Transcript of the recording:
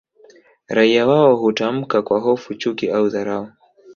Raia wao hutamka kwa hofu chuki au dharau